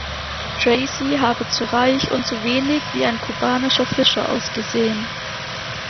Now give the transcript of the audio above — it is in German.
Tracy habe zu reich und zu wenig wie ein kubanischer Fischer ausgesehen.